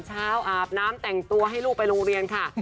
อาบน้ำแต่งตัวให้ลูกไปโรงเรียนค่ะ